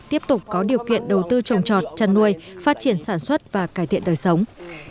tiếp tục có điều kiện đầu tư trồng trọt chăn nuôi phát triển sản xuất và cải thiện đời sống